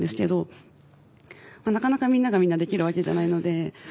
なかなかみんながみんなできるわけじゃないので。